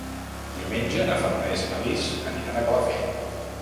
Diumenge na Farners i na Lis aniran a Calafell.